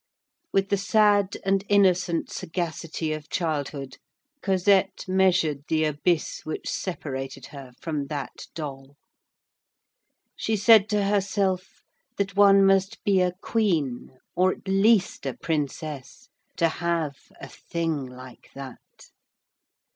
With the sad and innocent sagacity of childhood, Cosette measured the abyss which separated her from that doll. She said to herself that one must be a queen, or at least a princess, to have a "thing" like that.